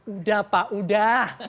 udah pak udah